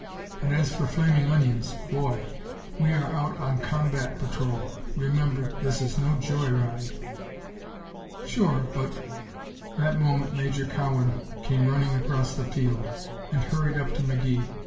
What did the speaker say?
And as for flaming onions boy! We are out on combat patrol, remember. This is no joy ride." "Sure. But " That moment Major Cowan came running across the field and hurried up to McGee.